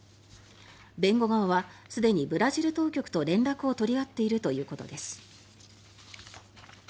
弁護側はすでにブラジル当局と連絡を取り合っているということです。